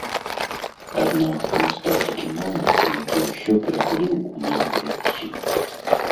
Аднак настаў такі момант, які ўсё перакуліў у маім жыцці.